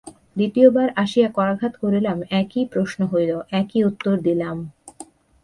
দ্বিতীয়বার আসিয়া করাঘাত করিলাম, একই প্রশ্ন হইল, একই উত্তর দিলাম।